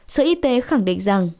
sở y tế khẳng định